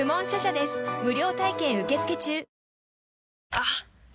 あっ！